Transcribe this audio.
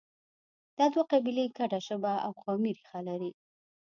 دا دوه قبیلې ګډه ژبه او قومي ریښه لري